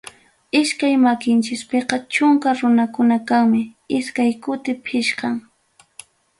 Iskay makinchikpiqa chunka rukanakuna kanmi, iskay kuti pichqam.